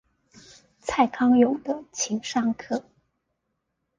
蔡康永的情商課